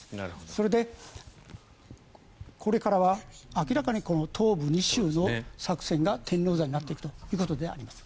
それでこれからは明らかに東部２州の作戦が天王山になっていくということであります。